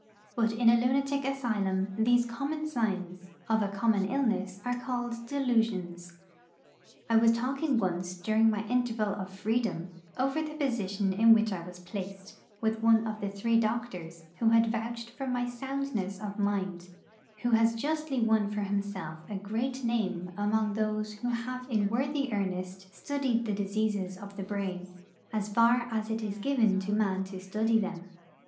But in a lunatic asylum these common signs of a common illness are called 'delusions.' I was talking once, during my interval of freedom, over the position in which I was placed, with one of the three doctors who had vouched for my soundness of mind, who has justly won for himself a great name among those who have in worthy earnest studied the diseases of the brain, as far as it is given to man to study them.